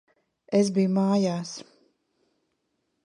Es biju mājās.